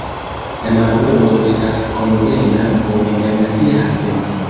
La marbordo estas konvena por internacia haveno.